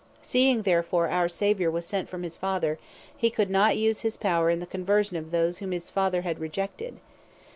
Seeing therefore our Saviour sent from his Father, hee could not use his power in the conversion of those, whom his Father had rejected.